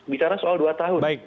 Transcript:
bicara soal dua tahun